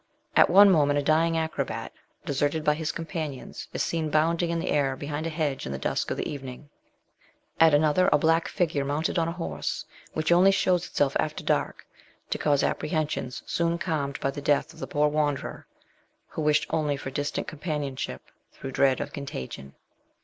At one moment a dying acrobat, deserted by his companions, is seen bounding in the air behind a hedge in the dusk of evening. At another, a black figure mounted on a horse, which only shows itself after dark, to cause apprehensions soon calmed by the death of the poor wanderer, who wished only for distant companionship through dread of contagion.